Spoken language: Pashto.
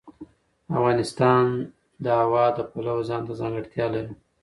افغانستان د هوا د پلوه ځانته ځانګړتیا لري.